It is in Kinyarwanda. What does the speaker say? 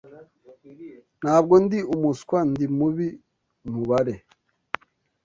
Ntabwo ndi umuswa. Ndi mubi mubare.